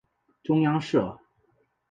中央社